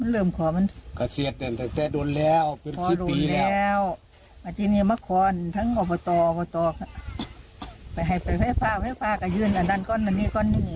ไฟฟ้าก็ยืนก้อนอันนี้ก้อนนี้